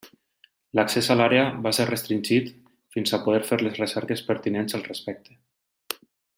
L'accés a l'àrea va ser restringit fins a poder fer les recerques pertinents al respecte.